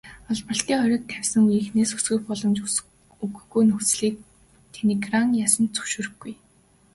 Олборлолтыг хориг тавьсан үеийнхээс өсгөх боломж өгөхгүй нөхцөлийг Тегеран яасан ч зөвшөөрөхгүй.